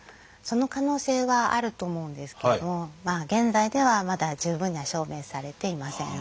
その可能性はあると思うんですけども現在ではまだ十分には証明されていません。